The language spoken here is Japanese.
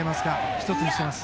一つにしています。